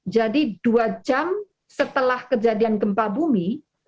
jadi dua jam setelah kejadian gempa bumi